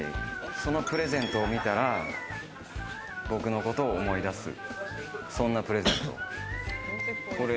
そのプレゼントを見たら僕のことを思い出す、そんなプレゼント。